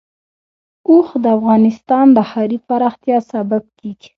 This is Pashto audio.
اوښ د افغانستان د ښاري پراختیا سبب کېږي.